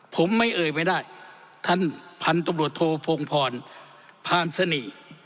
ผมไม่เอ่ยไปได้ท่านพันธุบริโธโพงพรพาลสนิ